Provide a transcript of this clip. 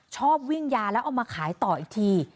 ชอบวิ่งยาแล้วเอามาขายต่ออีกที